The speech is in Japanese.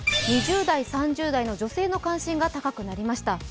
２０代、３０代の女性の関心が高くなりました。